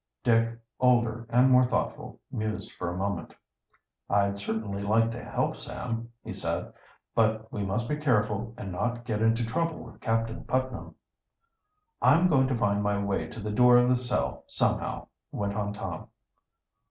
Dick, older and more thoughtful, mused for a moment. "I'd certainly like to help Sam," he said. "But we must be careful and not get into trouble with Captain Putnam." "I'm going to find my way to the door of the cell somehow," went on Tom.